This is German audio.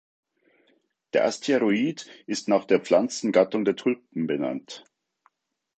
Der Asteroid ist nach der Pflanzengattung der Tulpen benannt.